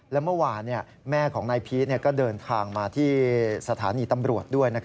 และเมื่อวานแม่ของนายพีชก็เดินทางมาที่สถานีตำรวจด้วย